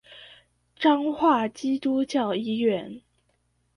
彰化基督教醫院